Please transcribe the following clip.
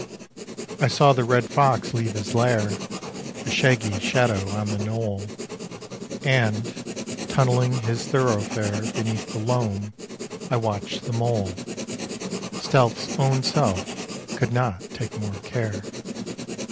I saw the red fox leave his lair, A shaggy shadow, on the knoll; And, tunnelling his thoroughfare Beneath the loam, I watched the mole Stealth's own self could not take more care.